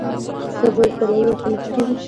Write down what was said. د سبا د طلایې اسانو پښې دی،